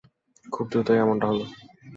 খুব দ্রুতই এমনটা হল।